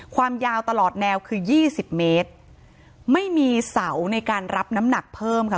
ความยาวตลอดแนวคือยี่สิบเมตรไม่มีเสาในการรับน้ำหนักเพิ่มค่ะ